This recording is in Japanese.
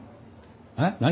えっ？何？